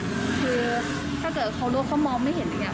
คือถ้าเกิดเขารู้เขามองไม่เห็นอย่างนี้